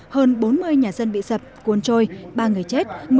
hơn bốn mươi nhà dân bị sập cuốn trôi ba người chết